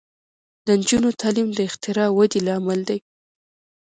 د نجونو تعلیم د اختراع ودې لامل دی.